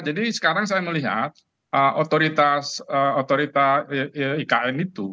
jadi sekarang saya melihat otoritas ikn itu